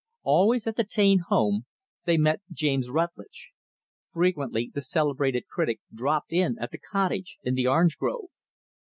Always, at the Taine home, they met James Rutlidge. Frequently the celebrated critic dropped in at the cottage in the orange grove.